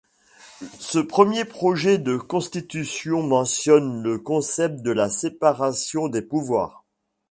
Ce premier projet de constitution mentionne le concept de la séparation des pouvoirs.